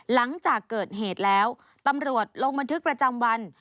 หลังจากเกิดเหตุแล้วตำรวจลงบันทึกประจำวัน